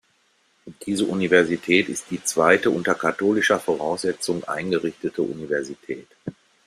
Diese Universität ist die zweite unter katholischer Voraussetzung eingerichtete Universität.